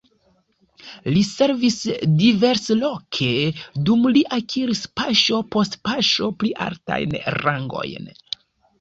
Li servis diversloke, dum li akiris paŝo post paŝo pli altajn rangojn.